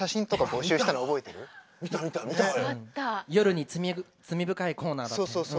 夜に罪深いコーナーだったよね。